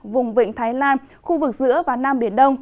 vùng vịnh thái lan khu vực giữa và nam biển đông